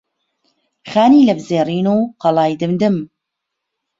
خانی لەپزێڕین و قەڵای دمدم